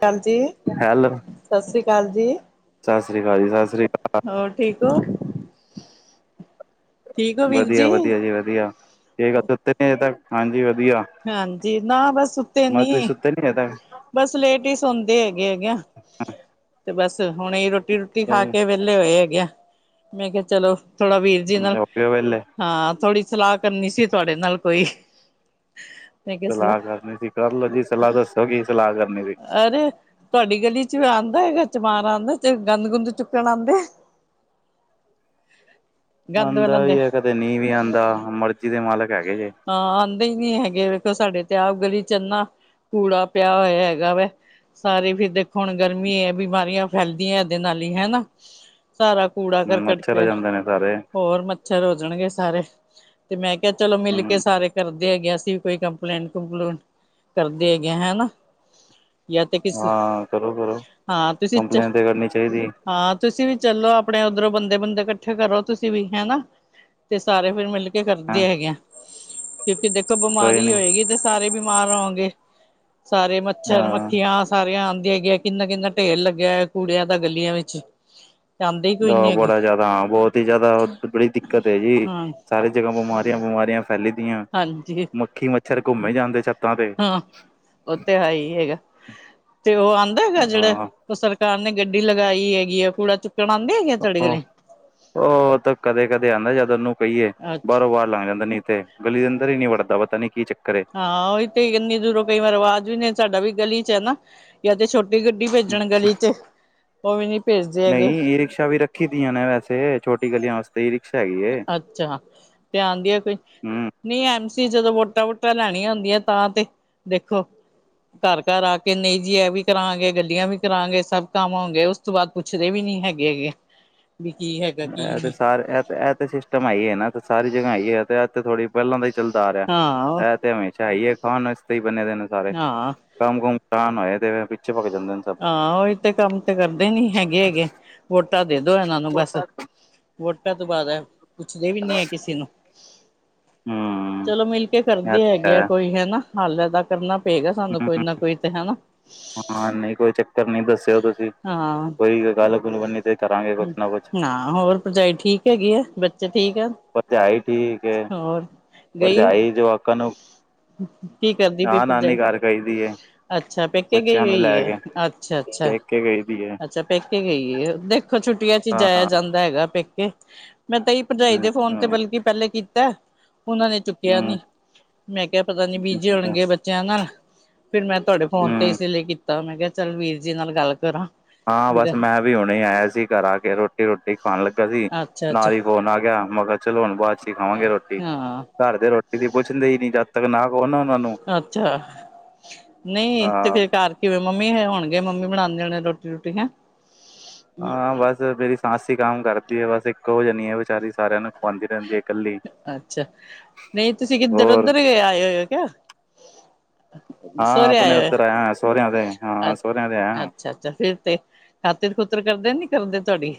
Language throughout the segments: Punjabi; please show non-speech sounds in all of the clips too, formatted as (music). ਕਾਲ ਜੀ, ਹੈਲ ਸਤਿ ਸ੍ਰੀ ਅਕਾਲ ਜੀ। ਸੱਸ੍ਰੀ ਕਾਲ ਜੀ ਸੱਸ੍ਰੀ ਕਾਲ ਹੋਰ ਠੀਕ ਓ ਵਧੀਆਂ-ਵਧੀਆਂ ਜੀ ਵਧੀਆਂ ਕਿ ਗੱਲ ਸੁੱਤੇ ਨੀ ਅਜੇ ਤੱਕ ਹਾਂਜੀ ਵਧੀਆਂ। ਹਾਂਜੀ ਨਾ ਬਸ ਸੋਤੇ ਨੀ (unintelligible) ਬਸ ਲੇਟ ਏ ਸੌਂਦੇ ਹੈਗੇ- ਹੈਗੇ ਆ। ਤੇ ਬਸ ਹੁਣੇ ਰੋਟੀ- ਰੂਟੀ ਅੱਛਾ ਖਾ ਜੀ ਕੇ ਵਿ ਲੇ ਹੋਏ ਹੈਗੇ ਆ ਮੈਂ ਕਿਹਾ ਚਲੋ ਥੋੜ੍ਹਾ ਵੀਰ ਜੀ ਨਾਲ਼ ਹੋ ਗਏ ਵੇਹਲੇ ਹਾਂ ਥੋੜ੍ਹੀ ਸਲਾਹ ਕਰਨੀ ਸੀ ਤੁਹਾਡੇ ਨਾਲ਼ ਕੋਈ। ਮੈਂ ਕਿਹਾ ਸਲਾਹ ਕਰਨੀ ਸੀ ਕਰ ਲਓ ਜੀ ਸਲਾਹ ਦੱਸੋਂ ਕੀ ਸਲਾਹ ਕਰਨੀ ਸੀ? ਅਰੇ ਤੁਹਾਡੀ ਗਲ਼ੀ ਚ ਆਂਦਾ ਹੈਗਾ ਚਮਾਰ ਆਂਦਾ ਤੇ ਗੰਦ- ਗੁੰਦ ਚੁੱਕਣ ਆਂਦੇ (inaudible) ਵਾਲੇ ਆਂਦਾ ਵੀ ਐ ਕਦੇ ਨੀ ਵੀ ਆਂਦਾ ਮਰਜ਼ੀ ਦੇ ਮਾਲਕ ਹੈਗੇ ਜੇ ਹਾਂ ਆਂਦੇ ਹੀ ਨੀ ਹੈਗੇ ਵੇਖੋ ਸਾਡੇ ਤੇ ਆਪ ਗਲ਼ੀ ਇਨ੍ਹਾਂ ਕੂੜਾ ਪਿਆ ਹੋਇਆਂ ਹੈਗਾ ਵਾ ਸਾਰੇ ਫ਼ੇਰ ਦੇਖੋਂ ਹੁਣ ਗਰਮੀ ਹੈ ਬਿਮਾਰੀਆਂ ਫੈਲਦੀਆਂ ਇਹਦੇ ਨਾਲ਼ ਹੀ ਹੈਨਾ ਸਾਰਾ ਕੂੜਾ ਕਰਕਟ ਮੱਛਰ ਹੋ ਫ਼ੇਰ ਜਾਂਦੇ ਨੇ ਸਾਰੇ ਹੋਰ ਮੱਛਰ ਹੋ ਜਾਣਗੇ ਸਾਰੇ ਤੇ ਮੈਂ ਕਿਹਾ ਚਲੋ ਮਿਲ਼ ਕੇ ਹੂੰ ਸਾਰੇ ਕਰਦੇ ਦੇ ਹੈਗੇ ਅਸੀਂ ਕੋਈ ਕੰਪਲੇਂਟ- ਕੋਂਪਲੇਂਟ ਕਰਦੇ ਹੈਗੇ ਹੈਨਾ ਜਾਂ ਤੇ ਕਿਸੇ ਹਾਂ ਕਰੋ ਕਰੋ ਹਾਂ ਤੁਸੀਂ 'ਚ' ਕੰਪਲੇਂਨ ਤੇ ਕਰਨੀ ਚਾਹੀਦੀ ਹਾਂ ਤੁਸੀਂ ਵੀ ਚਲੋ ਆਪਣੇ ਉੱਧਰੋਂ ਬੰਦੇ-ਬੁੰਦੇ ਕੱਠੇ ਕਰੋ ਤੁਸੀਂ ਵੀ ਹੈਨਾ ਤੇ ਸਾਰੇ ਫ਼ਿਰ ਮਿਲ ਕੇ ਹਾਂ ਕਰਦੇ ਹੈਗੇ ਆ ਕਿਉਂਕਿ ਦੇਖੋਂ ਕੋਈ ਬਿਮਾਰੀ ਨੀ ਹੋਏਗੀ ਤੇ ਸਾਰੇ ਬਿਮਾਰ ਹੋਣਗੇ ਸਾਰੇ ਮੱਛਰ ਹਾਂ ਮੱਖੀਆਂ ਸਾਰੀਆਂ ਆਂਦੀ ਹੈਗੀਆਂ ਕਿੰਨਾ-ਕਿੰਨਾ ਢੇਰ ਲੱਗਿਆਂ ਹੋਇਆਂ ਕੂੜਿਆਂ ਦਾ ਗਲੀਆਂ ਵਿੱਚ ਆਉਂਦੇ ਹੀ ਕੋਈ ਨੀ ਓ ਹੈਗੇ ਬੜਾ ਜ਼ਿਆਦਾ ਹਾਂ ਬਹੁਤ ਹੀ ਜ਼ਿਆਦਾ ਬੜੀ ਦਿੱਕਤ ਹੈ ਜੀ ਹਾਂ ਸਾਰੇ ਜਗ੍ਹਾ ਬਿਮਾਰੀਆਂ ਬਿਮਾਰੀਆਂ ਫੈਲ ਫ਼ੈਲਦੀਆਂ ਹਾਂਜੀ ਮੱਖੀ ਮੱਛਰ ਘੁੰਮੇ ਜਾਂਦੇ ਛੱ ਹਾਂ ਉਹ ਤੇ ਹੈ ਈ ਹੈਗਾ ਤੇ ਉਹ ਆਂਦਾ ਹੈਗਾ ਜਿਹੜਾ ਹਾਂ ਸਰਕਾਰ ਨੇ ਗੱਡੀ ਲਗਾਈ ਹੈਗੀ ਆ ਕੂੜਾ ਚੁ ਕਣ ਆਂਦੇ। ਉਹ ਤਾਂ ਕਦੇ-ਕਦੇ ਓਂਦਾ ਜਦੁ ਉਹਨੂੰ ਕਹੀਏ ਅੱਛਾ। ਬਾਰੋਂ- ਵਾਰ ਲੰਘ ਜਾਂਦਾ ਨੀ ਤੇ ਗਲੀ ਦੇ ਅੰਦਰ ਹੀ ਨੀ ਵੜਦਾ ਪਤਾ ਨੀ ਕੀ ਚੱਕਰ ਹੈ। ਹਾਂ ਇਹ ਤੇ ਇੰਨੀ ਦੂਰੋਂ ਕਈ ਵਾਰ ਆਵਾਜ਼ ਵੀ ਨਹੀਂ ਸਾਡਾ ਵੀ ਗਲੀ ਚ ਹੈ ਨਾ ਜਾਂ ਤੇ ਛੋਟ ਛੋਟੀ ਗੱਡੀ ਭੇਜਣ ਗਲੀ ਚ ਉਹ ਵੀ ਨੀ ਭੇਜਦੇ ਹੈਗੇ। ਨਹੀਂ ਈ ਰਿਕਸ਼ਾ ਵੀ ਰ ਰੱਖੀ ਦੀਆਂ ਨੇ ਵੈਸੇ ਛੋਟੀ ਗਲੀਆਂ ਵਾਸਤੇ। ਤੇ ਰਿਕਸ਼ਾ ਹੈਗੀ ਹੈ। ਅੱਛਾ ਤੇ ਆਂਦੀ ਐ ਕੋਈ। ਹੂੰ ਨਹੀਂ ਐਮ ਸੀ ਜਦੋਂ ਵੋਟਾਂ- ਵੋਟਾਂ ਲੈਣੀਆਂ ਹੁੰਦੀਆਂ ਤਾਂ ਤੇ ਦੇਖੋ ਘਰ-ਘਰ ਆ ਕੇ ਨਹੀਂ ਜੀ ਇਹ ਵੀ ਕਰਾਂਗੇ ਗਲੀਆਂ ਵੀ ਕਰਾਂਗੇ ਸਭ ਕੰਮ ਹੋਗੇ। ਉਸ ਤੋਂ ਬਾਅਦ ਪੁੱਛਦੇ ਵੀ ਨੀ ਹੈਗੇ। ਵੀ ਕੀ ਹੈ। ਇਹ ਤੇ ਸਾਰੇ ਇਹ-ਇਹ ਤਾਂ ਸਿਸਟਮ ਆਈ ਹੈ ਨਾ ਸਾਰੀ ਜਗ੍ਹਾ ਆਈ ਹੈ ਤੇ ਇਹ ਥੋੜ੍ਹੀ। ਪਹਿਲਾਂ ਦਾ ਹੀ ਚੱਲਦਾ ਆ ਰਿਹਾ ਹਾਂ ਇਹ ਤੇ ਹਮੇਸ਼ਾ ਹੀ ਹੈ ਖਾਣ ਇਸਤੇ ਹੀ ਬਣੇ ਦੇ ਨੇ ਸਾਰੇ। ਹਾਂ ਕੰਮ-ਕੁੰਮ ਕਰਾ ਨਾ ਇਹਦੇ ਮੈਂ ਪਿੱਛੇ ਵਗ ਜਾਨਾ। ਹਾਂ ਉਹੀ ਤੇ ਕੰਮ ਤੇ ਕਰਦੇ ਨੀ ਹੈਗੇ-ਹੈਗੇ ਵੋਟਾਂ ਦੇ ਦੋ ਇਹਨਾਂ ਨੂੰ ਹੂੰ ਬਸ। ਵੋਟਾਂ ਤੋਂ ਬਾਅਦ ਇਹ ਪੁੱਛਦੇ ਵੀ ਨੀ ਏ ਕਿਸੇ ਨੂੰ। ਚਲੋ ਮਿਲ ਕੇ ਇਹ ਕਰਦੇ ਤੇ ਹੈਗੇ ਆ ਹੈ ਕੋਈ ਹਨਾ। ਹੱਲ, ਇਦਾ ਕਰਨਾ ਪਏਗਾ ਸਾਨੂੰ ਕੋਈ ਨਾ ਕੋਈ ਤੇ ਹਨਾ। ਹੈ ਨਹੀਂ ਕੋਈ ਇਥੇ ਫਿਰ ਨਹੀਂ ਦੱਸ। ਹਾਂ-ਹਾਂ ਬਣੀ ਤੇ ਕਰਾਂਗੇ ਕੁਛ ਨਾ ਕੁਛ ਹੋਰ ਭਰਜਾਈ ਠੀਕ ਹੈਗੀ ਏ ਬ ਅੱਛਾ ਠੀਕ ਆ। ਭਰਜਾਈ ਠੀਕ ਏ, ਹੋਰ ਗਈ ਭਰਜਾਈ ਜਵਾਖਾਂ ਨੂੰ ਕੀ ਕਹਿੰਦੀ ਪਈ ਨਾ ਨਾਨੀ ਭਰਜਾਈ? ਘਰ ਗਈ ਦੀ ਏ ਅੱਛਾ ਪੇਕੇ ਗਈ ਹੋਈ ਹੈ ਅੱਛਾ-ਅੱਛਾ। ਕਿ ਬੇਲੀ ਐ। ਅੱਛਾ, ਪੇਕੇ ਗਈ ਏ ਦੇਖੋ ਛੁੱਟੀਆਂ 'ਚ' ਹਾਂ ਜਾਇਆ ਜਾਂਦਾ ਹੈਗਾ ਪੇਕੇ ਮੈਂ ਤਾਂ ਇਹ ਹੀ ਭਰਜਾਈ ਅੱਛਾ ਦੇ ਫੋਨ ਤੇ ਹੂੰ ਬਲਕਿ ਪਹਿਲੇ ਕੀਤਾ ਉਹਨਾਂ ਨੇ ਚੁੱਕਿਆ ਨੀ। ਮੈਂ ਕਿਹਾ ਪਤਾ ਨੀ ਬੀ, ਜੀ ਅੱਛਾ ਹੋਣਗੇ ਬੱਚਿਆਂ ਨਾਲ ਫ਼ਿਰ ਮੈਂ ਤੁਹਾਡੇ ਫੋਨ ਤੇ ਹੂੰ ਇਸੇ ਲਈ ਕੀਤਾ। ਤਾਂ ਮੈਂ ਕਿਹਾ ਚੱਲ ਵੀਰ ਜੀ ਨਾਲ ਗੱਲ ਕਰਾਂ। ਹਾਂ, ਬਸ ਮੈਂ ਵੀ ਹੁਣੇ ਆਇਆ ਸੀ ਘਰ ਆ ਕੇ ਰੋਟੀ- ਰੋਟੀ ਖਾਣ ਲੱਗਾ ਸੀ ਅੱਛਾ ਅੱਛਾ ਨਾਲ ਹੀ ਫੋਨ ਆ ਗਿਆ। ਮੈਂ ਕਿਹਾ ਚਲੋ ਹੁਣ ਬਾਅਦ 'ਚ' ਹੀ ਖਾਵਾਂਗੇ ਰੋਟੀ ਹਾਂ ਘਰ ਦੇ ਰੋਟੀ ਦੀ ਪੁੱਛਦੇ ਹੀ ਨੀ ਜਦ ਤੱਕ ਨਾ ਕਿਉਂ ਨਾ ਓਹਨਾ ਨੂੰ ਅੱਛਾ, ਨਹੀਂ ਤੇ ਹਾਂ ਫਿਰ ਘਰ ਕਿਵੇਂ, ਮੰਮੀ ਇਹ ਹੋਣਗੇ ਮੰਮੀ ਬਣਾਉਂਦੇ ਹੋਣੇ ਰੋਟੀ-ਰੂਟੀ ਹੈਂ। ਹਾਂ ਬਸ ਮੇਰੀ ਸੱਸ ਹੀ ਕੰਮ ਕਰਦੀ ਹੈ ਬਸ ਇੱਕੋ ਜਣੀ ਏ ਵਿਚਾਰੀ ਸਾਰਿਆਂ ਨੂੰ ਖਵਾਉਂਦੀ ਰਹਿੰਦੀ ਹੈ ਇਕੱਲੀ ਅੱਛਾ, ਨਹੀਂ ਤੁਸੀਂ ਕਿੱਧਰ ਹੋਰ ਉੱਧਰ ਆਏ ਹੋਏ ਹੋ ਕਿਆ? ਹਾਂ ਸੋਹਰੇ ਆਪਣੇ ਆਇਆ ਉੱਧਰ ਸਹੁਰਿਆਂ ਦੇ ਹੋਇਆ ਹਾਂ ਸਹੁਰਿਆਂ ਦੇ ਆਇਆ ਅੱਛਾ-ਅੱਛਾ ਫ਼ਿਰ ਤੇ। ਖਾਤਰ-ਖੁਤਰ ਕਰਦੇ ਨੇ ਕੇ ਨਈ ਕਰਦੇ ਤੁਹਾਡੀ?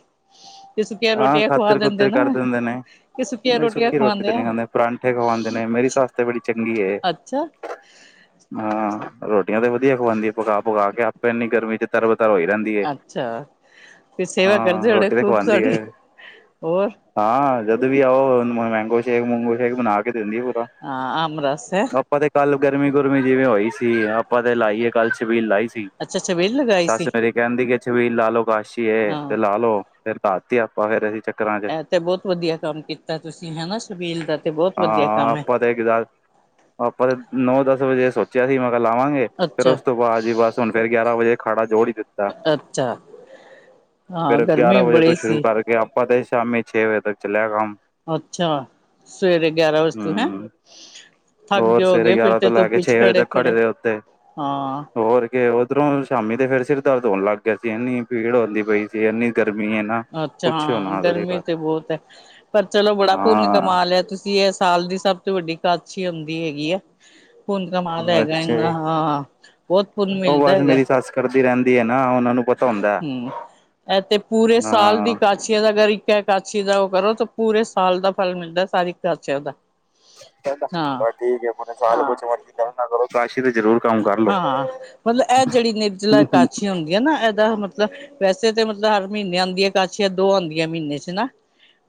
ਤੇ ਸੁੱਕੀਆਂ ਹਾਂ, ਰੋਟੀਆਂ ਖਵਾ ਦਿੰਦੇ ਖਾਤਰ-ਖੁਤਰ ਨਾ ਕਰ ਦਿੰਦੇ ਨੇ। ਕਿ ਸੁੱਕੀਆਂ ਨਹੀਂ ਰੋਟੀਆਂ ਸੁੱਕੀ ਰੋਟੀ ਤੇ ਖਵਾਉਂਦੇ ਆ ਨਹੀਂ ਖਾਂਦੇ ਪਰਾਂਠੇ ਖਵਾਉਂਦੇ ਨੇ ਮੇਰੀ ਸੱਸ ਤੇ ਬੜੀ ਚੰਗੀ ਏ। ਅੱਛਾ ਹਾਂ, ਰੋਟੀਆਂ ਤੇ ਵਧੀਆ ਖਵਾਂਦੀ ਪਕਾ-ਪਕਾ ਕੇ ਆਪੇ ਇੰਨੀ ਗਰਮੀ 'ਚ' ਤਰਬਤਰ ਹੋਈ ਰਹਿੰਦੀ ਏ, ਅੱਛਾ ਫਿਰ ਸੇਵਾ ਕਰਦੇ ਹਾਂ ਹੋਣੇ ਰੋਟੀ ਤਾਂ ਖੂਬ ਖਾਵਾਦੀ ਏ। ਤੁਹਾਡੀ ਹੋਰ। ਹਾਂ, ਜਦੋਂ ਵੀ ਆਓ ਮੈਂਗੋ ਸ਼ੇਕ-ਮੂੰਗੋ ਸ਼ੇਕ ਬਣਾ ਕੇ ਦਿੰਦੀ ਪੂਰਾ। ਆ ਅੰਬ ਰਸ ਹੈ। ਆਪਾਂ ਤੇ ਕੱਲ ਗਰਮੀ, ਗੁਰਮੀ ਜਿਵੇਂ ਹੋਈ ਸੀ ਆਪਾਂ ਤੇ ਲਾਈਏ ਕੱਲ ਛਬੀਲ ਲਾਈ ਸੀ। ਅੱਛਾ ਛਬੀਲ ਲਗਾਈ ਸੱਸ ਸੀ। ਮੇਰੀ ਕਹਿੰਦੀ ਕਿ ਸ਼ਬੀਲ ਲਾਲੋ ਕਾਸ਼ੀ ਏ ਹਾਂ ਤੇ ਲਾਲੋੋ ਫਿਰ ਧਰਤੀ ਆਪਾਂ ਫੇਰ ਅਸੀਂ ਚੱਕਰਾਂ 'ਚ' ਇਹ ਤੇ ਬਹੁਤ ਵਧੀਆ ਕੰਮ ਕੀਤਾ ਤੁਸੀਂ ਹੈਨਾ ਛਬੀਲ ਦਾ ਤੇ ਬਹੁਤ ਵਧੀਆ ਹਾਂ ਕੰਮ ਹੈ। (unintelligible) ਆਪਾਂ ਨੌ-ਦਸ ਵਜੇ ਸੋਚਿਆ ਸੀ ਮੈਂ ਕਿਹਾ ਲਾਵਾਂਗੇ। ਫੇਰ ਅੱਛਾ, ਉਸ ਤੋਂ ਬਾਅਦ ਜੀ ਬਸ ਹੁਣ ਫਿਰ ਹੁਣ ਗਿਆਰਾਂ ਵਜੇ ਖਾੜਾ ਜੋੜ ਹੀ ਦਿੱਤਾ। ਅੱਛਾ! ਹਾਂ ਫਿਰ ਗਰਮੀ ਗਿਆਰਾਂ ਵਜੇ ਤੋਂ ਬੜੀ ਸ਼ੁਰੂ ਸੀ। ਕਰਕੇ ਆਪਾਂ ਤੇ ਸ਼ਾਮੀ ਛੇ ਵਜੇ ਤੱਕ ਚੱਲਿਆ ਕੰਮ ਅੱਛਾ, ਸਵੇਰੇ ਗਿਆਰਾਂ ਵਜੇ ਤੋਂ ਹੈਂ? ਹਮ ਥੱਕ ਹੋਰ ਗਏ ਸਵੇਰੇ ਹੋਗੇ ਫਿਰ ਗਿਆਰਾਂ ਤੇ ਤੋਂ ਲੈ ਧੁੱਪ ਕੇ ਵਿਚ ਛੇ ਵਜੇ ਤੱਕ ਖੜੇ ਖੜੇ-ਖੜੇ ਰਹੇ ਉੱਥੇ ਹਾਂ ਹੋਰ ਫੇਰ ਉਧਰੋਂ ਸ਼ਾਮੀ ਤੇ ਫਿਰ ਸਿਰ ਦਰਦ ਹੋਣ ਲੱਗ ਗਿਆ ਸੀ ਇੰਨੀ ਭੀੜ ਹੁੰਂਦੀ ਪਈ ਸੀ ਇੰਨੀ ਗਰਮੀ ਹੈ ਨਾ ਅੱਛਾ, ਪੁੱਛਿਓ ਹਾਂ ਨਾ ਤੁਸੀਂ ਗਰਮੀ ਬਸ ਤੇ ਬਹੁਤ ਹੈ। ਪਰ ਚਲੋ ਬੜਾ ਪੁੰਨ ਹਾਂ ਕਮਾਲਿਆ ਤੁਸੀਂ ਇਹ ਸਾਲ ਦੀ, ਸਭ ਸਭ ਤੋਂ ਵੱਡੀ ਕਾਛਤੀ ਹੁੰਦੀ ਹੈਗੀ ਆ। ਪੁੰਨ ਕਮਾ ਲਿਆ ਹੈਗਾ ਅੱਛਾ ਇੰਨਾ ਜੀ ਹਾਂ, ਬਹੁਤ ਪੁੰਨ ਉਹ ਮਿਲਦਾ ਬਸ ਹੈਗਾ। ਮੇਰੀ ਸੱਸ ਕਰਦੀ ਰਹਿੰਦੀ ਆ ਨਾ ਉਹਨਾਂ ਨੂੰ ਪਤਾ ਹੁੰਦਾ ਹਮ, ਇਹ ਤੇ ਪੂਰੇ ਸਾਲ ਹਾਂ ਦੀ ਕਾਛ ਕਾਛੀਆਂ ਦਾ ਅਗਰ ਇੱਕ ਹੈ ਕਾਛੀ ਦਾ ਉਹ ਕਰੋ, ਤਾਂ ਪੂਰੇ ਸਾਲ ਦਾ ਫਲ ਮਿਲਦਾ ਸਾਰੀ ਕਾਸ਼ੀਆਂ ਦਾ। ਹਾਂ। ਬਸ ਠੀਕ ਹੈ ਮਤਲਬ ਸਾਲ ਵਿੱਚ ਕੁਝ ਕਰੋ ਨਾ ਕਰੋ, ਕਾਛੀ ਹਾਂ ਮਤਲਬ ਇਹ ਜਿਹੜੀ ਨਿਰਜਲਾ ਕਾਛਤੀ ਹੁੰਦੀ ਨਾ, ਇਹਦਾ ਮਤਲਬ ਵੈਸੇ ਤਾਂ ਮਤਲਬ ਹਰ ਮਹੀਨੇ ਆਉਂਦੀ ਕਾਛੀਆਂ ਦੋ ਆਉਂਦੀਆਂ ਮਹੀਨੇ 'ਚ' ਹਨਾ।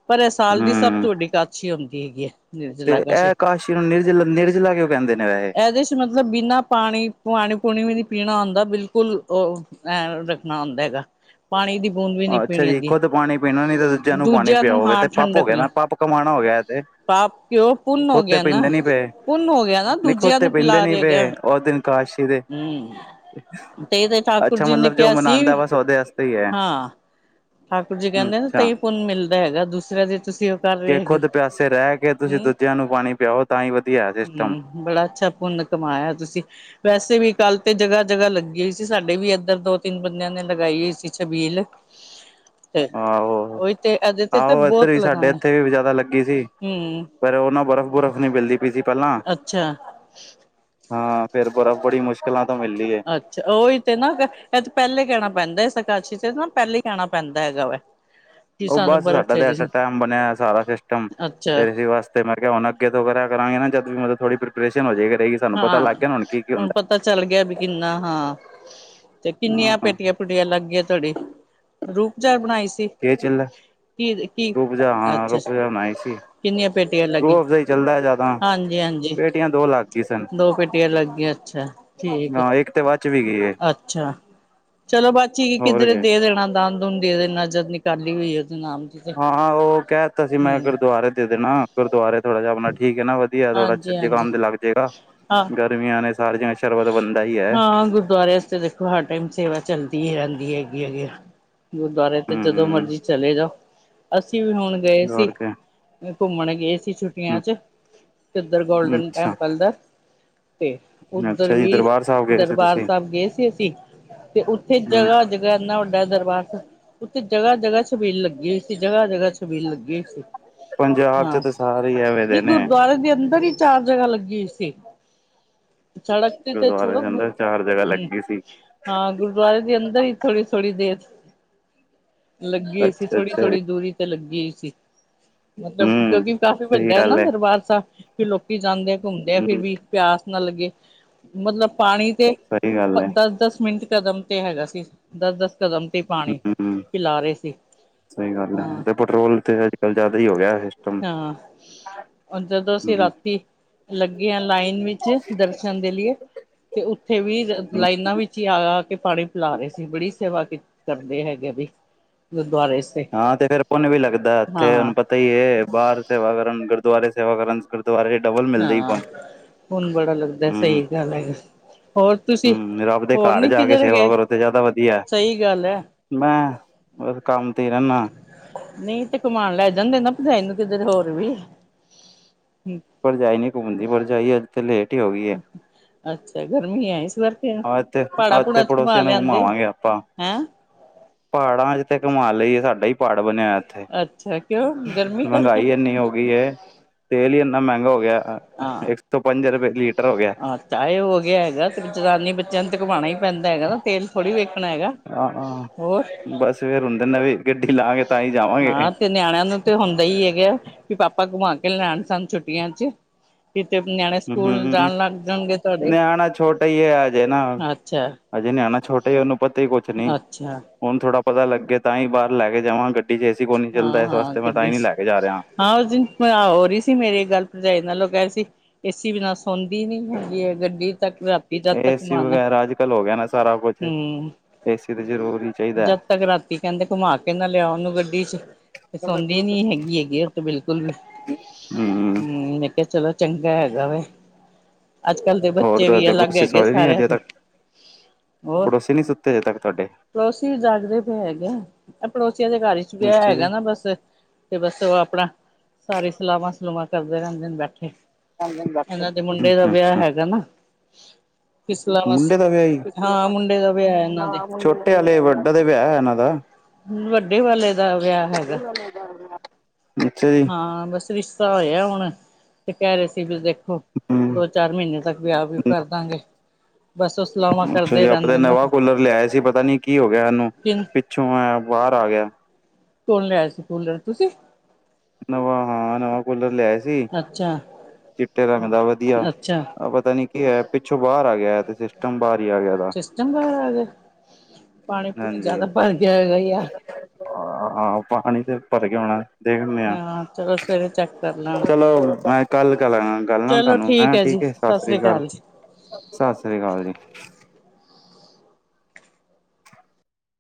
ਪਰ ਇਹ ਸਾਲ ਸਭ ਹੂੰ ਵੱਡੀ ਕਾਛੀ ਹੁੰਦੀ ਹੈਗੀ ਹੈ। ਤੇ ਇਹ ਕਾਛੀ ਨੂੰ ਨਿਰਜਲਾ, ਨਿਰਜਲਾ ਕਿਉਂ ਕਹਿੰਦੇ ਨੇ ਵੈਸੇ? ਇਹਦੇ ਚ ਮਤਲਬ ਬਿਨਾਂ ਪਾਣੀ, ਪਾਣੀ- ਪੂਣੀ ਵੀ ਨੀ ਪੀਣਾ ਹੁੰਦਾ, ਬਿਲਕੁਲ ਉਹ ਏ ਰੱਖਣਾ ਹੁੰਦਾ ਗਾ। ਅ ਅੱਛਾ ਜੀ, ਖੁਦ ਪਾਣੀ ਪੀਣਾ ਨੀ ਤੇ ਦੂਜਿਆਂ ਨੂੰ ਪਾਣੀ ਨੂੰ ਪਿਆਓ, ਇਹ ਹਾਂ ਤੇ ਪੱਪ ਹੋ ਠੰਡਕ ਗਿਆ ਲ ਨਾ, ਪੱਪ ਕਮਾਉਣਾ ਹੋ ਗਿਆ ਇਹ ਤੇ। ਪਾਪ ਕਿਓ, ਪੁੰਨ ਹੋ ਖੁਦ ਤੇ ਗਿਆ ਨਾ, ਪੀਂਦੇ ਨੀ ਪਏ ਪੁੰਨ ਹੋ ਗਿਆ ਨਾ, ਨਹੀਂ ਖੁਦ ਦੂਜਿਆਂ ਤੇ ਨੂੰ ਪੀਂਦੇ ਪਿਲਾਰਾ ਨੀ ਰਹੇ ਹੇਗੈ ਗਿਆ। ਪਏ ਉਸ ਦਿਨ ਕਾਸ਼ੀ ਦੇ ਹਮ, ਤੇ ਇਹੇ ਦੇ ਠਾਕੁਰ ਅੱਛਾ ਜੀ ਨੇ ਮਤਲਬ ਜੋ ਕਿਹਾ ਸੀ, ਮਨਾਉਂਦਾ ਬਸ ਉਹਦੇ ਵਾਸਤੇ ਹੀ ਹੈ ਹਾਂ ਠਾਕੁਰ ਜੀ ਕਹਿੰਦੇ ਅੱਛਾ ਤੇ ਪੁੰਨ ਮਿਲਦਾ ਹੈਗਾ, ਦੂਸਰਿਆਂ ਦੇ ਤੁਸੀਂ ਕਰ ਰਹੇ ਕਿ ਹੈਗੇ ਖੁਦ ਪਿਆਸੇ ਰਹਿ ਕੇ, ਤੁਸੀਂ ਹਮ ਦੂਜਿਆਂ ਨੂੰ ਪਾਣੀ ਪਿਆਓ ਤਾਂ ਹੀ ਵਧੀਆ ਸਿਸਟਮ। ਹਮ ਬੜਾ ਅੱਛਾ ਪੁੰਨ ਕਮਾਇਆ ਤੁਸੀਂ। ਵੈਸੇ ਵੀ ਕੱਲ ਤੇ ਜਗ੍ਹਾ- ਜਗ੍ਹਾ ਲੱਗੀ ਹੋਈ ਸੀ, ਸਾਡੇ ਵੀ ਇੱਧਰ ਦੋ, ਤਿੰਨ ਬੰਦਿਆਂ ਨੇ ਲਗਾਈ ਹੋਈ ਸੀ, ਛਬੀਲ। ਤੇ ਆਹੋ, ਉਹੀ ਤੇ ਇਹਦੇ ਤੇ ਤਾਂ ਆਹੋ ਇੱਧਰ ਬਹੁਤ ਵੀ ਸਾਡੇ ਲਗਾਉਂਦਾ ਇੱਥੇ ਵੀ ਜ਼ਿਆਦਾ ਲੱਗੀ ਸੀ। ਹਮ। ਪਰ ਉਹ ਨਾ, ਬਰਫ਼- ਬੁਰਫ਼ ਨਹੀਂ ਮਿਲਦੀ ਪਈ ਸੀ, ਪਹਿਲਾਂ ਅੱਛਾ। ਹਾਂ, ਫਿਰ ਬਰਫ਼ ਬੜੀ ਮੁਸ਼ਕਿਲਾਂ ਤੋਂ ਮਿਲਦੀ ਹੈ। ਅੱਛਾ ਓਹੀ ਤੇ ਨਾ, ਇਹ ਤੇ ਪਹਿਲੇ ਕਹਿਣਾ ਪੈਂਦਾ ਹੈ, ਇਸ ਆਕਾਸ਼ੀ ਤੇ ਨਾ ਪਹਿਲੇ ਹੀ ਕਹਿਣਾ ਪੈਂਦਾ, ਹੈਗਾ ਵਾ। ਹ (inaudible) ਉਹ ਬੱਸ ਸਾਡਾ ਤੇ ਐਟ- ਟਾਈਮ ਬਣਿਆ ਸਾਰਾ ਸਿਸਟਮ, ਅੱਛਾ ਫਿਰ ਅਸੀਂ ਬਸ ਤੇ ਮੈਂ ਕਿਹਾ ਹੁਣ ਅੱਗੇ ਤੋਂ ਕਰਿਆ ਕਰਾਂਗੇ, ਜਦ ਵੀ ਥੋੜੀ ਪ੍ਰੀਪਰੇੇਸ਼ਨ ਹੋ ਜਾਇਆ ਕਰੇਗੀ, ਸਾਨੂੰ ਪਤਾ ਲੱਗ ਹਾਂ ਗਿਆ ਹੁਣ ਕੀ ਹੁੰਦਾ। ਪਤਾ ਚੱਲ ਗਿਆ ਵੀ ਕਿੰਨਾ ਹਾਂ, ਤੇ ਹੁੰਦਾ ਕਿੰਨੀਆਂ ਹਾਂ ਪੇਟੀਆਂ- ਪੂਟੀਆਂ ਲੱਗ ਗਈਆਂ ਤੁਹਾਡੀ? ਰੂਪ ਚਾਹ ਬਣਾਈ ਸੀ? ਕੀ ਚੱਲੇ, ਕੀ ਕੀ ਰੁਕ ਜਾ, ਹਾਂ ਅੱਛਾ ਰੁਕ ਜਾ, ਬਨਾਈ ਸੀ। ਕਿੰਨੀਆਂ ਪੇਟੀਆਂ ਲੱਗੀ ਰੂ-ਆਫ ਜਾਈ ਚੱਲਦਾ ਜ਼ਿਆਦਾ, ਹਾਂਜੀ ਹਾਂਜੀ ਪੇਟੀਆਂ ਦੋ ਲੱਗ ਗਈਆਂ। ਦੋ ਪੇਟੀਆਂ ਲੱਗ ਗਈਆਂ, ਅੱਛਾ ਠੀਕ। ਹੈ ਹਾਂ ਇੱਕ ਤੇ ਬਚ ਵੀ ਗਈ ਏ। ਅੱਛਾ, ਚਲੋ ਭਾਜੀ ਹੋਰ ਕਿੱਧਰੇ ਕੇ ਦੇ ਦੇਣਾ ਸੀ। ਦਾਨ-ਦੂਨ ਦੇਣਾ, ਨਜ਼ਰ ਨ ਕਰੀ ਹੋਈ ਉਹਦੇ ਨਾਮ ਦੀ ਤੇ ਹਾਂ ਉਹ ਕਹਿ ਦਿੱਤਾ ਸੀ। ਮੈਂ ਹਮ ਗੁਰਦਆਰੇ ਦੇ ਦੇਣਾ। ਗੁਰਦੁਆਰੇ ਥੋੜਾ ਜਿਹਾ ਆਪਣਾ ਠੀਕ ਹੈ ਨਾ ਵਧੀਆ ਥੋੜਾ ਅੱਛੇ, ਹਾਂਜੀ ਅੱਛੇ ਹਾਂਜੀ ਕੰਮ ਤੇ ਲੱਗ ਜਾਏਗਾ, ਹਾਂ ਗਰਮੀਆਂ ਨੇ ਸਾਰ ਹਾਂ ਗੁਰਦੁਆਰਿਆਂ ਤੇ ਦੇਖੋ, ਹਰ ਟਾਈਮ ਸੇਵਾ ਚੱਲਦੀ ਹੀ ਰਹਿੰਦੀ ਹੈ ਹੈਗੀ-ਹੈਗੀ। ਗੁਰਦੁਆਰੇ ਤੇ ਜਦੋਂ ਹੂੰ ਮਰਜ਼ੀ ਚਲੇ ਜਾਓ। ਅਸੀਂ ਵੀ ਹੁਣ ਗਏ ਸੀ। ਹੋਰ ਕਿਆ ਘੁੰਮਣ ਗਏ ਸੀ ਛੁੱਟੀਆਂ 'ਚ ਕਿੱਧਰ ਗੋਲਡਨ ਅੱਛਾ ਟੈਂਪਲ ਦਾ। ਤੇ ਉੱਧਰ ਅੱਛਾ ਜੀ ਵੀ ਦਰਬਾਰ ਸਾਹਿਬ ਗਏ ਸੀ ਦਰਬਾਰ ਤੁਸੀਂ ਸਾਹਿਬ ਗਏ ਅਸੀਂ ਤੇ ਉੱਥੇ ਹੂੰ ਜਗ੍ਹਾ-ਜਗ੍ਹਾ ਇੰਨਾ ਵੱਡਾ ਦਰਬਾਰ ਸੀ। ਉੱਥੇ ਜਗ੍ਹਾ-ਜਗ੍ਹਾ ਛਬੀਲ ਲੱਗੀ ਹੋਈ ਸੀ, ਜਗ੍ਹਾ ਜਗਾ ਛਬੀਲ ਲੱਗੀ ਹੋਈ ਸੀ। ਪੰਜਾਬ ਚ ਹਾਂ, ਤਾਂ ਸਾਰੇ ਹੀ ਐਵੇਂ ਨਹੀਂ ਦੇ ਨੇ ਗੁਰਦੁਆਰੇ ਦੇ ਅੰਦਰ ਹੀ ਚਾਰ ਜਗ੍ਹਾ ਲੱਗੀ ਹੋਈ ਸੀ। ਸੜਕ ਤੇ ਤਾਂ ਛੋੜ ਗੁਰਦੁਆਰੇ ਕ ਦੇ ਬ ਅੰਦਰ ਚਾਰ ਜਗ੍ਹਾ ਹਮ ਲੱਗੀ ਸੀ ਹਾਂ, ਗੁਰਦੁਆਰੇ ਦੇ ਅੰਦਰ ਹੀ ਥੋੜੀ-ਥੋੜ੍ਹੀ ਦੇਰ ਲੱਗੀ ਹੋਈ ਸੀ, ਅੱਛਾ ਅੱਛਾ ਜੀ ਥੋੜੀ-ਥੋੜੀ ਦੂਰੀ ਤੇ ਲੱਗੀ ਹੋਈ ਸੀ। ਮਤਲਬ ਹੂੰ ਕਿਉਂਕਿ ਕਾਫ਼ੀ ਸਹੀ ਵੱਡਾ ਹੈ ਨਾ ਗੱਲ ਦਰਬਾਰ ਸਾਹਿਬ, ਫ ਲੋਕੀ ਜਾਂਦੇ ਆ ਘੁੰਮਦੇ ਆ ਫਿਰਰ ਹੂੰ ਵੀ ਪਿਆਸ ਨਾ ਲੱਗੇ। ਮਤਲਬ ਪਾਣੀ ਤੇ ਸਹੀ ਗੱਲ ਹੈ ਦੱਸ-ਦੱਸ ਮਿੰਟ ਕਦਮ ਤੇ ਹੈਗਾ ਸੀ। ਦੱਸ-ਦੱਸ ਕਦਮ ਤੇ ਪਾਣੀ, ਹੂੰ ਪਿਲਾ ਰਹੇ ਸੀ, ਸਹੀ ਗੱਲ ਹੈ ਹਾਂ ਤੇ ਪੈਟਰੋਲ ਤੇ ਅੱਜ-ਕੱਲ੍ਹ ਜ਼ਿਆਦਾ ਹੀ ਹੋ ਗਿਆ। ਸਿਸਟਮ ਹਾਂ। ਜਦੋਂ ਅਸੀਂ ਹੂੰ ਰਾਤੀ, ਲੱਗੇ ਆ ਲਾਈਨ ਵਿੱਚ, ਦਰਸ਼ਨ ਦੇ ਲਈਏ ਤੇ ਉੱਥੇ ਵੀ ਲਾਈਨਾਂ ਵਿੱਚ ਹੀ ਆ-ਆ ਕੇ ਪਾਣੀ ਪਿਲਾ ਰਹੇ ਸੀ। ਬੜੀ ਸੇਵਾ ਕੀਤੀ। ਕਰਦੇ ਹੈਗੇ ਵੀ ਗੁਰਦੁਆਰੇ ਹਾਂ ਤੇ ਫੇਰ ਭੁੰਨ ਵੀ ਲੱਗਦਾ। ਇੱਥੇ ਹਾਂ ਹੁਣ ਪਤਾ ਹੀ ਹੈ ਬਾਹਰ ਸੇਵਾ ਕਰਨ, ਗੁਰਦੁਆਰੇ ਸੇਵਾ ਕਰਨ ਦੁਆਰੇ 'ਚ' ਡਬਲ ਮਿਲਦੇ ਹੀ ਹਾਂ, ਪੁੰਨ ਪੁੰਨ ਬੜਾ ਲੱਗਦਾ ਹੂੰ ਸਹੀ ਗੱਲ ਹੈਗਾ ਹੋਰ ਤੁਸੀਂ ਹੂੰ ਰੱਬ ਦੇ ਹੋਰ ਘਰ ਨੀ ਜਾ ਕੇ ਕਿੱਧਰੇ ਸੇਵਾ ਗਏ। ਕਰੋ ਤੇ ਜ਼ਿਆਦਾ ਵਧੀਆ ਸਹੀ ਗੱਲ ਏ। ਮੈਂ, ਉਸ ਕੰਮ ਤੇ ਹੀ ਰਹਿਣਾ ਨਹੀਂ ਤੇ ਕਮਾਨ ਲੈ ਜਾਂਦੇ ਨਾ, ਪਜਾਈ ਨੂੰ ਕਿਧਰੇ ਹੋਰ ਵੀ ਪਰਜਾਈ ਨੀ ਘੁੰਮਦੀ, ਪਰਜਾਈ ਅੱਜ ਤੇ ਲੇਟ ਹੀ ਹੋ ਗਈ ਹੈ। ਅੱਛਾ, ਗਰਮੀ ਐ, ਇਸ ਵਾਰ ਆਹ, ਇੱਥੇ-ਇੱਥੇ ਪੜੋਸੀਆਂ ਨੂੰ ਘੁਮਾਵਾਂਗੇ ਆਪਾਂ ਹੈਂ ਪਹਾੜਾ 'ਚ' ਤਾ ਕਮਾਲ ਲਈਏ, ਸਾਡਾ ਹੀ ਪਹਾੜ ਬਣਿਆ ਇੱਥੇ ਅੱਛਾ ਕਿਉਂ? ਗਰਮੀ ਕਰਕੇ ਮਹਿੰਗਾਈ ਇੰਨੀ ਹੋ ਗਈ ਏ। ਤੇਲ ਹੀ ਇੰਨਾ ਮਹਿੰਗਾ ਹੋ ਗਿਆ। ਇੱਕ ਸੌ ਪੰਜ ਰੁਪਏ ਲੀ ਅੱਛਾ, ਇਹ ਹੋ ਗਿਆ ਹੈਗਾ ਤੇ ਜਨਾਨੀ ਬੱਚਿਆਂ ਨੂੰ ਤੇ ਘੁਮਾਉਣਾ ਹੀ ਪੈਂਦਾ ਹੈਗਾ ਨਾ ਤੇਲ ਥੋੜ੍ਹੀ ਵੇਖਣਾ ਹੈਗਾ ਆਹਹ, ਹੋਰ ਬੱਸ ਫਿਰ ਹੁਣਦੇ ਨੇ ਵੀ ਗੱਡੀ ਲਾਗੇ ਤਾਂ ਹੀ ਜਾਵਾਂਗੇ। ਹਾਂ ਤੇ ਨਿਆਣਿਆਂ ਨੂੰ ਤੇ ਹੁੰਦਾ ਹੀ ਹੈਗਾ ਵੀ, ਪਾਪਾ ਘੁੰਮਾ ਕੇ ਲੈਣ ਸਾਨੂੰ ਛੁੱਟੀਆਂ 'ਚ' ਕਿਤੇ ਨਿਆਣੇ ਸਕੂਲ ਹੂੰ ਜਾਣ ਲੱਗ ਜਾਣਗੇ ਤੁਹਾਡੇ ਨਿਆਣਾ ਛੋਟਾ ਹੀ ਹੈ ਹਜੇ ਨਾ ਅੱਛਾ। ਹਜੇ ਨਿਆਣਾ ਛੋਟੇ ਹੀ ਉਹਨੂੰ ਪਤਾ ਹੀ ਕੁਛ ਨੀ ਅੱਛਾ ਹੁਣ ਥੋੜਾ ਪਤਾ ਲੱਗੇ ਤਾਂ ਹੀ ਬਾਹਰ ਲੈ ਕੇ ਜਾਵਾਂਗੇ ਗੱਡੀ 'ਚ' ਏ ਸੀ ਕੋ ਨੀ ਚੱਲਦਾ। ਹਾਂ ਇਸ ਹਾਂ ਵੱਸ ਮੈਂ ਤਾਂ ਗੱਡੀ ਨੀ ਚ ਲੈ ਕੇ ਜਾ ਰਿਹਾ। ਹਾਂ ਉਸ ਦਿਨ, ਹੋ ਰਹੀ ਸੀ। ਮੇਰੀ ਗੱਲ ਭਰਜਾਈ ਨਾਲੋਂ ਕਹਿ ਰਹੇ ਸੀ ਏਸੀ ਬਿਨਾਂ ਸੌਦੀ ਨੀ ਹੁੰਦੀ ਹੈ ਗੱਡੀ ਤੱਕ ਰਾ ਜਦ ਤੱਕ ਏਸੀ ਮਾਨ ਵਗੈਰਾ ਅੱਜ ਕੱਲ ਹੋ ਗਿਆ ਨਾ ਸਾਰਾ ਕੁਛ ਹਮ ਏਸੀ ਤੇ ਜ਼ਰੂਰੀ ਚਾਹੀ ਜਦ ਤੱਕ ਰਾਤੀ ਕਹਿੰਦੇ ਘੁੰਮਾ ਕੇ ਨਾ ਲਿਆ ਉਹਨੂੰ ਗੱਡੀ 'ਚ' ਤੇ ਸੌਦੇ ਨੀ ਹੈਗੀ ਹੈਗੇ ਉਹ ਤੇ ਬਿਲਕੁਲ ਵੀ ਹਮ, ਮੈਂ ਕਿਹਾ ਚਲੋ ਚੰਗਾ ਹੈਗਾ ਵੇ। ਅੱਜ-ਕੱਲ੍ਹ ਦੇ ਹੋਰ ਬੱਚੇ ਵੀ ਤੁਹਾਡੇ ਅਲੱਗ ਪੜੋਸੀ ਹੈਗੇ ਸੋਏ ਨੀ ਸਾਰਿਆਂ ਅਜੇ ਤੋਂ ਤੱਕ ਹੋਰ ਪੜੋਸੀ ਨੀਂ ਸੁੱਤੇ ਅਜੇ ਤੱਕ ਤੁਹਾਡੇ। ਪੜੋਸੀ ਵੀ ਜਾਗਦੇ ਪਏ ਹੈਗੇ ਆ, ਇਹ ਪੜੋਸੀਆਂ ਦੇ ਘਰ ਚ ਵਿ ਅੱਛਾ ਹੈਗਾ ਜੀ ਨਾ ਬੱਸ ਤੇ ਬੱਸ ਉਹ ਆਪਣਾ, ' (inaudible) ' ਸਾਰੀ ਸਲਾਵਾਂ-ਸਲੂਵਾਂ ਕਰਦੇ ਰਹਿੰਦੇ ਨੇ ਬੈਠੇ ਇਹਨਾਂ ਦੇ ਮੁੰਡੇ ਦਾ ਅੱਛਾ ਵਿਆਹ ਅੱਛਾ ਹੈਗਾ ਨਾ। ਇਸਲਾ ਮਸ ਮੁੰਡੇ ਦਾ ਵਿਆਹ ਹੀ ਹਾਂ ਮੁੰਡੇ ਦਾ ਵਿਆਹ ਆ ਇਹਨਾਂ ਦੇ। ਤੇ ਨਾਲੇ ਵੱਡਾ ਤੇ ਵਿਆਹਾ‌ ਆ ਇਹਨਾਂ ਦਾ ਵੱਡੇ ਵਾਲੇ ਦਾ ਵਿਆਹ ਹੈਗਾ। ਦਾ (unintelligible) ਅੱਛਾ ਜੀ ਹਾਂ ਬਸ ਰਿਸ਼ਤਾ ਹੋਇਆ ਹੁਣ। ਤੇ ਕਹਿ ਰਹੇ ਸੀ ਵੀ ਦੇਖੋ। ਹਮ ਦੋ -ਚਾਰ ਮਹੀਨੇ ਤੱਕ ਵਿਆਹ ਵਹੁ ਕਰਦਾਂਗੇ। ਅੱਛਾ ਜੀ ਆਪਾਂ ਤਾਂ ਨਾ ਨਵਾਂ ਫਿਰ ਕੂਲਰ ਲਿਆਏ ਸੀ ਪਤਾ ਨੀ ਕੀ ਹੋ ਗਿਆ। ਇਹ ਨੂੰ ਕਿਨ ਪਿੱਛੋਂ ਆਇਆ ਬਾਹਰ ਆ ਗਿਆ। ਕੌਣ ਲਿਆਇਆ ਸੀ ਕੂਲਰ ਤੁਸੀਂ। ਨਵਾਂ ਹਾਂ ਨਵਾਂ ਕੂਲਰ ਲਿਆਇਆ ਸੀ। ਜੀ ਅੱਛਾ ਚਿੱਟੇ ਰੰਗਦਾ ਵਧੀਆ ਅੱਛਾ ਆਹ ਪਤਾ ਨੀ ਕੀ ਹੋਇਆ ਪਿੱਛੋਂ ਬਾਹਰ ਆ ਗਿਆ। ਤੇ ਸਿਸਟਮ ਬਾਹਰ ਹੀ ਆ ਗਿਆ। ਦਾ ਸਿਸਟਮ ਬਹਾਰ ਆ ਗਿਆ। ਪਾਣੀ ਪੂਣੀ ਹਾਂਜੀ ਜਿਆਦਾ ਭਰ ਗਿਆ ਹੋਏ ਗਾ ਯਰ। ਹਾਂ ਪਾਣੀ ਤੇ ਭਰ ਗਿਆ ਹੋਣਾ ਦੇਖ ਹਾਂ ਚਲੋ ਸਵੇਰੇ ਚੈੱਕ ਕਰ (unintelligible) ਲੈਣਾ ਚਲੋ ਮੈਂ ਕੱਲ ਕਰਾਂਗਾ ਗੱਲ ਆ ਤੁਹਾਨੂੰ ਹੈਂ ਠੀਕ ਏ। ਸਾਸਰੀ ਕਾਲ ਜੀ ਸਸਰੀਕਾਲ ਜੀ।